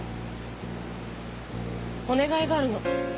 お願いがあるの。